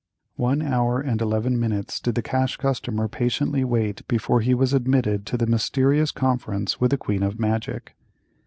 One hour and eleven minutes did the Cash Customer patiently wait before he was admitted to the mysterious conference with the queen of magic.